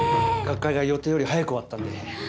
学会が予定より早く終わったんで。